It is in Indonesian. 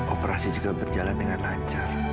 operasi juga berjalan dengan lancar